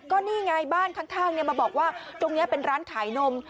ก็นี่ไงบ้านข้างมาบอกว่าตรงนี้เป็นร้านขายนม